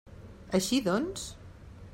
Així doncs?